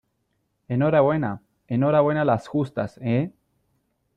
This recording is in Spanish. enhorabuena . enhorabuena las justas ,¿ eh ?,